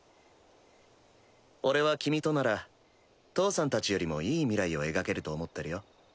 俺は君となら義父さんたちよりもいい未来を描けると思ってるよ